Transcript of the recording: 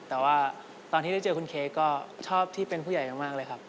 แต่ว่าตอนที่ได้เจอคุณเค้กก็ชอบที่เป็นผู้ใหญ่มากเลยครับ